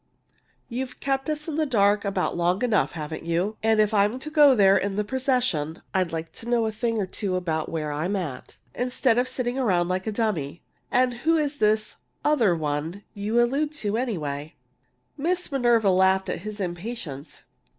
"You've kept us in the dark about long enough, haven't you? And if I'm to go in there with the procession, I'd like to know a thing or two about where I'm at, instead of sitting around like a dummy! And who is this 'other one' you allude to, anyway?" Miss Minerva laughed at his impatience.